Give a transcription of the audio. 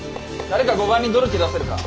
誰か５番にドルチェ出せるか？